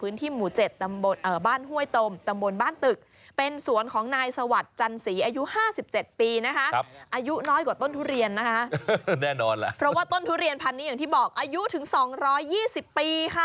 แน่นอนแหละเพราะว่าต้นทุเรียนพันธุ์นี้อย่างที่บอกอายุถึง๒๒๐ปีค่ะ